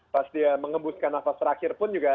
pas dia mengembuskan nafas terakhir pun juga